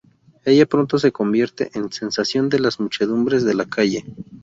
Ella pronto se convierte en sensación de las muchedumbres de la calle.